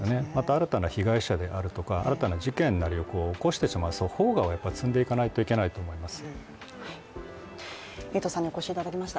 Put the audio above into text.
新たな被害者であるとか、新たな事件を起こしてしまうという萌芽を摘んでいかないといけないと思います。